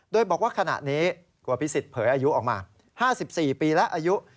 โดยบอกว่าขณะนี้คุณอภิษฎเผยอายุออกมา๕๔ปีแล้วอายุ